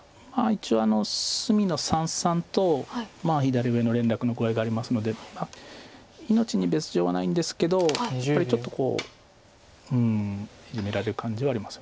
一応隅の三々と左上の連絡の具合がありますので命に別状はないんですけどやっぱりちょっとイジメられる感じはありますよね。